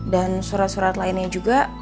dan surat surat lainnya juga